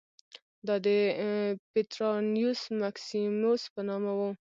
دا د پټرانیوس مکسیموس په نامه و